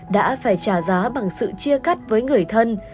đã phải trả giá bằng sự chia cắt với người thân